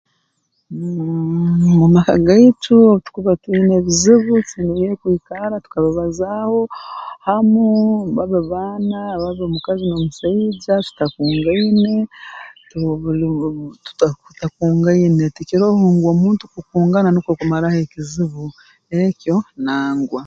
Mmmh mu maka gaitu obu tukuba twine ebizibu tusemeriire kwikarra tukabibazaaho hamu babe baana babe mukazi n'omusaija tutakungaine tu bu tutakungaine tikiroho ngu omuntu kukungana nukwo kumaraho ekizibu ekyo nangwa